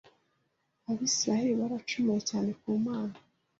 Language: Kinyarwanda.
Abisirayeli baracumuye cyane ku Mana